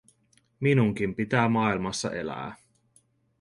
Minunkin pitää maailmassa elää.